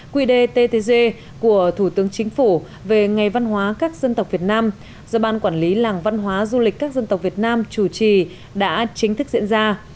quy đề ttg của thủ tướng chính phủ về ngày văn hóa các dân tộc việt nam do ban quản lý làng văn hóa du lịch các dân tộc việt nam chủ trì đã chính thức diễn ra